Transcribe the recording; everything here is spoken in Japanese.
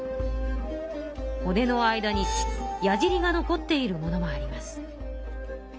骨の間に矢じりが残っているものもあります。